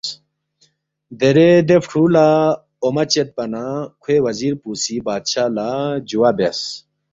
دیرے دے فرُو لہ اوما چدپا نہ کھوے وزیر پو سی بادشاہ لہ جوا بیاس،